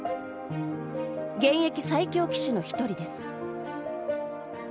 現役最強棋士の１人です。